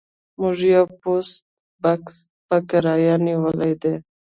موږ یو پوسټ بکس په کرایه نیولی دی